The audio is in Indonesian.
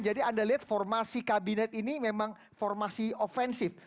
jadi anda lihat formasi kabinet ini memang formasi offensif